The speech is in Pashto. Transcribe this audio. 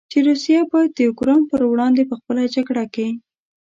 چې روسیه باید د اوکراین پر وړاندې په خپله جګړه کې.